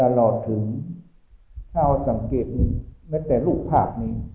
และรอถึงเธอสัมเกตนึงแน่แต่ลูกภาพนี้